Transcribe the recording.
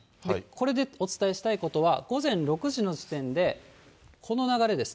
これでお伝えしたいことは、午前６時の時点で、この流れです。